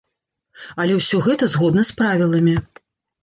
Але ўсё гэта згодна з правіламі.